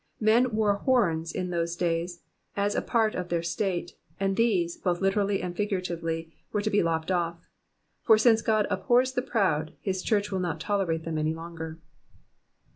Men wore horns in those dfly3 as a part of their state,* and these, both literally and figuratively, were to be lopped off ; for since God abhors the proud, his church will not tolerate them any longer.